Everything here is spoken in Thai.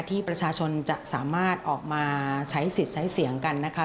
ที่ประชาชนจะสามารถออกมาใช้สิทธิ์ใช้เสียงกันนะคะ